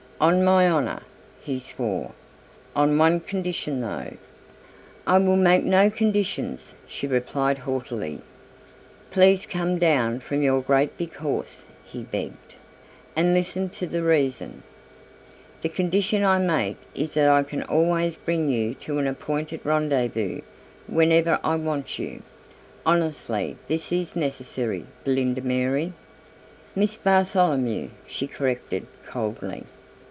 "On my honour," he swore; "on one condition though." "I will make no conditions," she replied haughtily. "Please come down from your great big horse," he begged, "and listen to reason. The condition I make is that I can always bring you to an appointed rendezvous whenever I want you. Honestly, this is necessary, Belinda Mary." "Miss Bartholomew," she corrected, coldly.